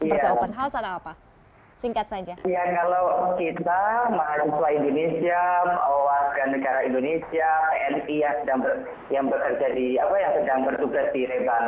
singkat saja indonesia indonesia indonesia yang berada di apa yang sedang bertugas di